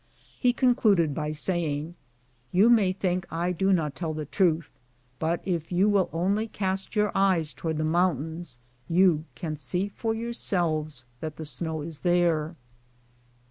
He concluded by sajnng, DEEP SNOW. 231 "You may think I do not tell the truth, but if you will only cast your eyes toward the mountains you can see for yourselves that the snow is there."